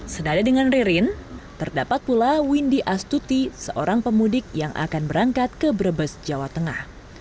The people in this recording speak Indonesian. senada dengan ririn terdapat pula windy astuti seorang pemudik yang akan berangkat ke brebes jawa tengah